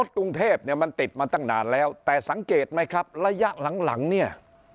กรุงเทพเนี่ยมันติดมาตั้งนานแล้วแต่สังเกตไหมครับระยะหลังเนี่ย